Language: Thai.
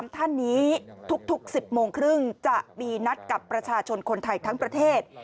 ๓ท่านนี้ทุก๑๐โมงครึ่งจะมีนัดกับประชาชนคนไทยทั้งประเทศ